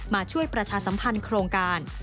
ช่วยประชาสัมพันธ์โครงการ